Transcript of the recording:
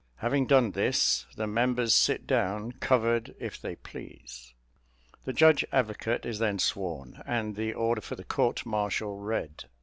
Having done this, the members sit down, covered if they please. The judge advocate is then sworn, and the order for the court martial read.